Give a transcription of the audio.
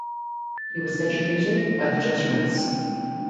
He was educated by the Jesuits.